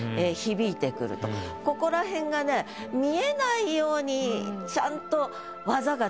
ここら辺がね見えないようにちゃんと。